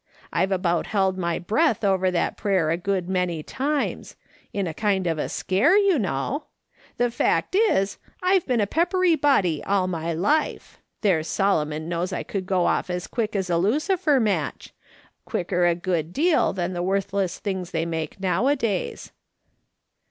I've about held my breath over that prayer a good many times ; in a kind of a scare, you know. The fact is, I've been a peppery body all my life. There's Solomon knows I could go off as quick as a lucifer match ; quicker a good ''SHO! THAT ARGUMENT UPSETS itself:' 267 deal than the worthless things they make now days."